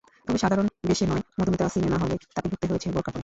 তবে সাধারণ বেশে নয়, মধুমিতা সিনেমা হলে তাঁকে ঢুকতে হয়েছে বোরকা পরে।